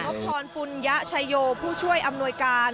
พระบรรยารพปุญญะชโยผู้ช่วยอำนวยการ